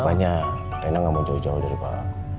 makanya rena gak mau jauh jauh dari pak a